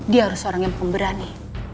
dia harus seorang yang pemberani